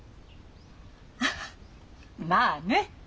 ああまあね。